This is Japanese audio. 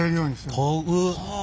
はあ。